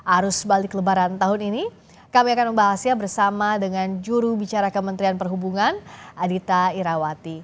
arus balik lebaran tahun ini kami akan membahasnya bersama dengan juru bicara kementerian perhubungan adita irawati